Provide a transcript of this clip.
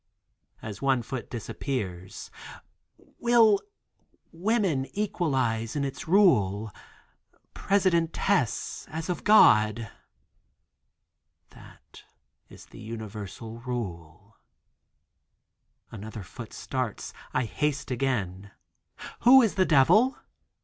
As a foot disappears. "Will woman equalize in its rule, Presidentess as of God?" "That is the universal rule." Another foot starts, I haste again. "Who is the devil?"